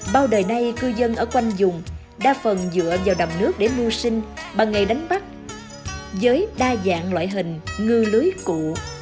bao đời nay cư dân ở quanh dùng đa phần dựa vào đầm nước để mưu sinh bằng nghề đánh bắt với đa dạng loại hình ngư lưới cụ